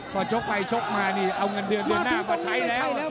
พอชกไปชกมานี่เอาเงินเดือนเดือนหน้ามาใช้แล้ว